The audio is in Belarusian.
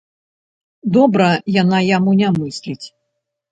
Дабра яна яму не мысліць.